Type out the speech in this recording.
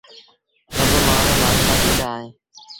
سڀ مآڻهوٚٚݩ مآٺڪآ بيٚٺآ اهيݩ